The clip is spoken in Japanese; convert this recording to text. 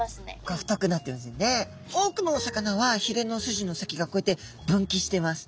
多くのお魚はひれの筋の先がこうやって分岐してます。